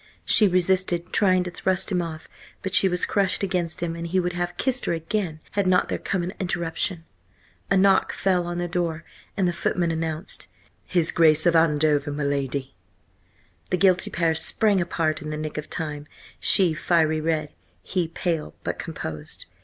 She resisted, trying to thrust him off, but she was crushed against him, and he would have kissed her again, had not there come an interruption. A knock fell on the door, and the footman announced: "His Grace of Andover, m'lady!" The guilty pair sprang apart in the nick of time, she fiery red, he pale, but composed.